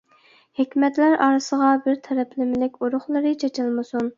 ھېكمەتلەر ئارىسىغا بىر تەرەپلىمىلىك ئۇرۇقلىرى چېچىلمىسۇن.